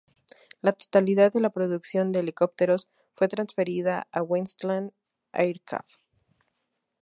La totalidad de la producción de helicópteros fue transferida a Westland Aircraft.